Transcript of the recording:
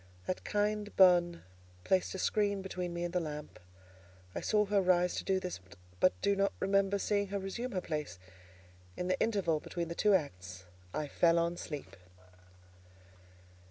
That kind bonne placed a screen between me and the lamp; I saw her rise to do this, but do not remember seeing her resume her place: in the interval between the two acts, I "fell on sleep."